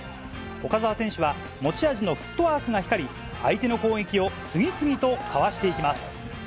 岡澤選手は持ち味のフットワークが光り、相手の攻撃を次々とかわしていきます。